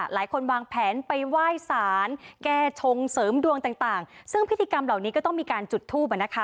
หลายคนวางแผนไปไหว้สารแก้ชงเสริมดวงต่างซึ่งพิธีกรรมเหล่านี้ก็ต้องมีการจุดทูปอ่ะนะคะ